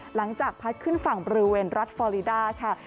หลังจากพัดขึ้นฝั่งบริเวณรัฐฟอลิดาค่ะ